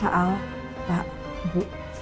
pak al pak bu